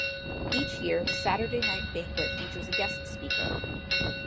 Each year, the Saturday night banquet features a guest speaker.